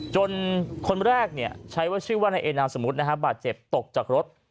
คนแรกใช้ว่าชื่อว่านายเอนามสมมุตินะฮะบาดเจ็บตกจากรถ